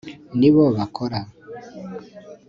Ni bo bakora